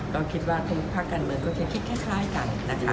ก็คิดว่าทุกภาคการเมืองก็จะคิดคล้ายกันนะคะ